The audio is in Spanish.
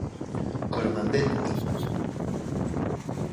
Coromandel" i.